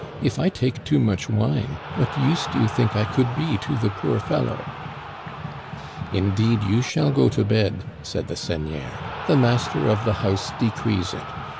If I take too much wine, what use do you think I could be to the poor fellow }*'*' Indeed, you shall go to bed," said the seigneur. "The master of the house decrees it.